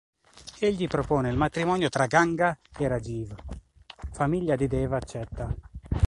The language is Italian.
Egli propone il matrimonio tra Ganga e Rajiv; Famiglia di dev accetta.